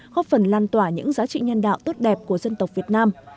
góp phần lan tỏa những giá trị nhân đạo tốt đẹp của dân tộc việt nam